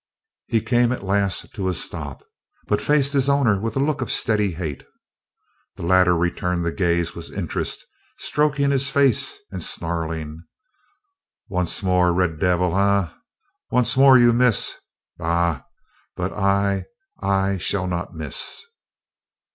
He came at last to a stop, but he faced his owner with a look of steady hate. The latter returned the gaze with interest, stroking his face and snarling: "Once more, red devil, eh? Once more you miss? Bah! But I, I shall not miss!"